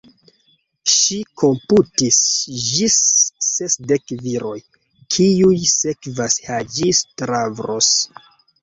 Ŝi komputis ĝis sesdek viroj, kiuj sekvas Haĝi-Stavros.